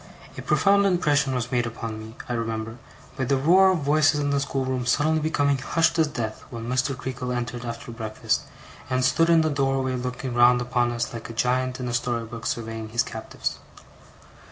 A profound impression was made upon me, I remember, by the roar of voices in the schoolroom suddenly becoming hushed as death when Mr. Creakle entered after breakfast, and stood in the doorway looking round upon us like a giant in a story book surveying his captives.